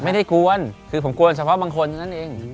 ไม่ได้กวนคือผมกวนเฉพาะบางคนนั้นเอง